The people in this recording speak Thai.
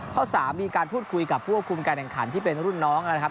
ข้อ๓มีการพูดคุยกับผู้ควบคุมการแข่งขันที่เป็นรุ่นน้องนะครับ